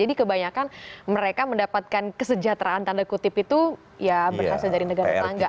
jadi kebanyakan mereka mendapatkan kesejahteraan tanda kutip itu ya berhasil dari negara tetangga